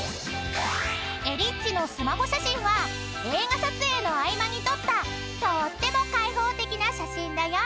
［えりっちのスマホ写真は映画撮影の合間に撮ったとーっても開放的な写真だよ！］